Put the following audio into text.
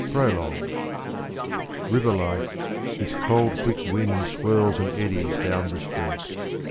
BARREL ORGANS. IVER LIKE, this cold quick wind Swirls and eddies down the street.